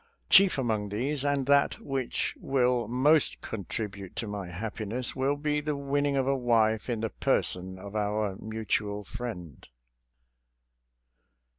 Chief among these, and that which will most contribute to my happiness, will be the win ning of a wife in the person of our mutual friend.